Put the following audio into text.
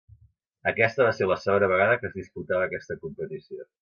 Aquesta va ser la segona vegada que es disputava aquesta competició.